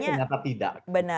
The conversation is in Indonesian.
tapi ternyata tidak